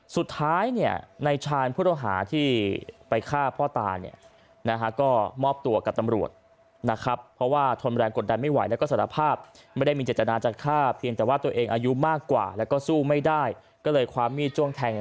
สุดท้ายในชาญพุทธหาที่ไปฆ่าพ่อตาก็มอบตัวกับตำรวจ